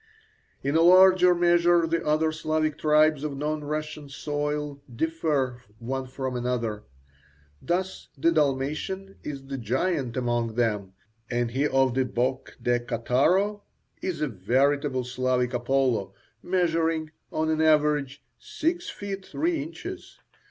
In a larger measure the other Slavic tribes on non Russian soil differ one from another; thus, the Dalmatian is the giant among them, and he of the Boche de Cattaro is a veritable Slavic Apollo, measuring, on an average, six feet three inches.